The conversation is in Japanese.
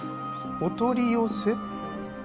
お取り寄せ？